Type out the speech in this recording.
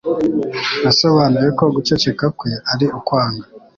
Nasobanuye ko guceceka kwe ari ukwanga.